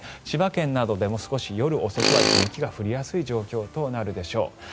千葉県などでも少し夜遅くは雪が降りやすい状況になるでしょう。